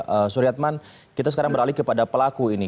pak suryatman kita sekarang beralih kepada pelaku ini